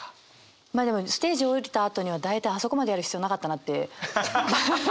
まあでもステージを降りたあとには大体あそこまでやる必要なかったなって。